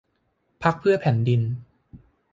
พรรคเพื่อแผ่นดิน